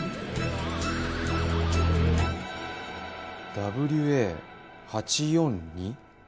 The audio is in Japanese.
「ＷＡ８４２」。